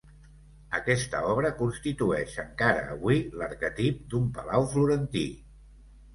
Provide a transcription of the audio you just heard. Aquesta obra constitueix, encara avui, l'arquetip d'un palau florentí.